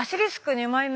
２枚目。